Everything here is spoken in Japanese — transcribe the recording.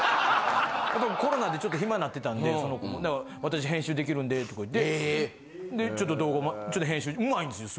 コロナでちょっと暇になってたんでその子も「私編集できるんで」とか言ってちょっと動画ちょっと編集上手いんですよ